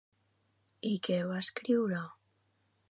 I què va escriure?